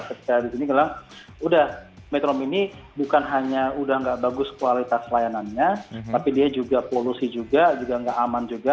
ketika di sini bilang udah metro mini bukan hanya udah gak bagus kualitas layanannya tapi dia juga polusi juga juga nggak aman juga